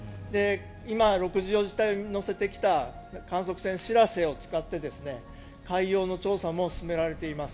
今、６４次隊を乗せてきた観測船「しらせ」を使って海洋の調査も進められています。